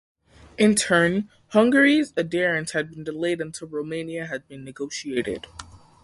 In turn, Hungary's adherence had been delayed until Romania's had been negotiated.